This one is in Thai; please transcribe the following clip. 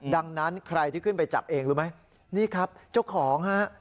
ดังนั้นใครที่ขึ้นไปจับเองรู้ไหมนี่ครับเจ้าของฮะ